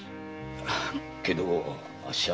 けどあっしは。